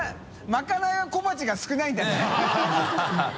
まかないは小鉢が少ないんだね。